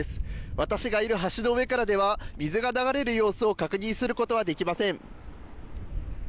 私がいる橋の上からでは、水が流れる様子を確認することはできま